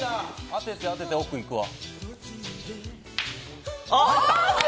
当てて当てて、奥いくわ。